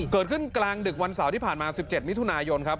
เกิดขึ้นกลางดึกวันเสาร์ที่ผ่านมา๑๗มิถุนายนครับ